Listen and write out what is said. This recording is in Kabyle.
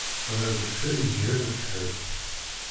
Ɣer deffir yegra lefḥel.